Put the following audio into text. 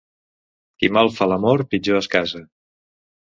Qui mal fa l'amor pitjor es casa.